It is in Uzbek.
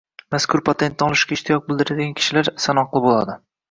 mazkur patentni olishga ishtiyoq bildiradigan kishilar sanoqli bo‘ladi